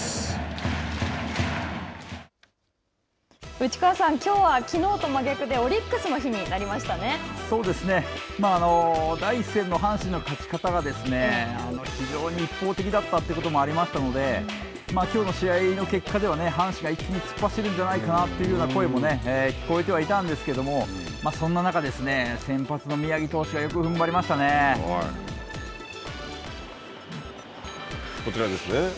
内川さん、きょうは、きのうとは真逆で第１戦の阪神の勝ち方が非常に一方的だったということもありましたので、きょうの試合の結果では阪神が一気に突っ走るんじゃないかなという声も聞こえてはいたんですけども、そんな中、先発の宮城投手がこちらですね。